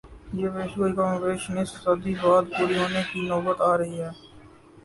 یہ پیشگوئی کم و بیش نصف صدی بعد پوری ہونے کی نوبت آ رہی ہے۔